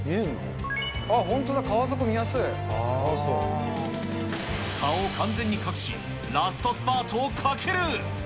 本当だ、顔を完全に隠し、ラストスパートをかける。